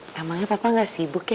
namanya papa gak sibuk ya